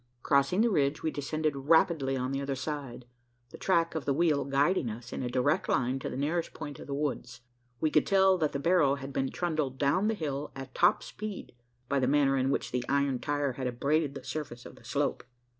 Crossing the ridge, we descended rapidly on the other side the track of the wheel guiding us in a direct line to the nearest point of the woods. We could tell that the barrow had been trundled down the hill at top speed by the manner in which the iron tire had abraded the surface of the slope.